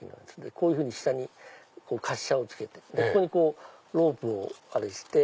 こういうふうに下に滑車をつけてここにロープをあれして。